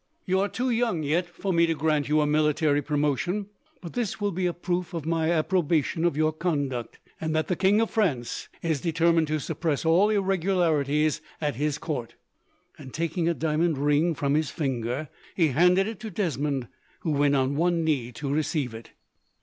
"You are too young, yet, for me to grant you military promotion, but this will be a proof of my approbation of your conduct, and that the King of France is determined to suppress all irregularities at his court." And, taking a diamond ring from his finger, he handed it to Desmond, who went on one knee to receive it.